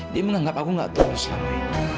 dia menganggap aku nggak tahu selama ini